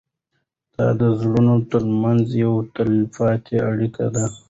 دا د زړونو تر منځ یوه تلپاتې اړیکه وه.